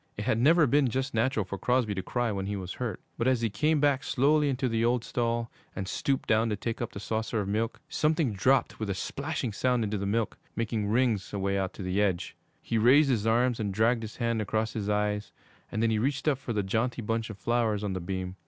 It had never been just natural for Crosby to cry when he was hurt; but as he came slowly back into the old stall and stooped down to take up the saucer of milk, something dropped with a splashing sound into the milk, making rings away out to the edge. He raised his arm and dragged his hand across his eyes, and then he reached up for the jaunty bunch of flowers on the beam.